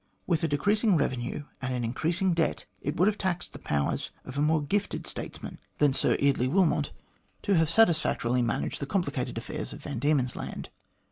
With a decreasing revenue and an increasing debt, it would have taxed the powers of a more gifted statesman 170 THE GLADSTONE COLONY than Sir Eardley Wilmot to have satisfactorily managed the complicated affairs of Van Diemen's Land.